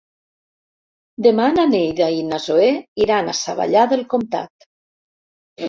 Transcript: Demà na Neida i na Zoè iran a Savallà del Comtat.